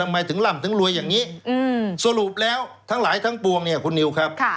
ทำไมถึงล่ำถึงรวยอย่างนี้สรุปแล้วทั้งหลายทั้งปวงเนี่ยคุณนิวครับ